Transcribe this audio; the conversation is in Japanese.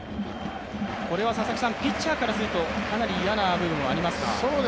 これはピッチャーからするとかなり嫌な部分もありますか。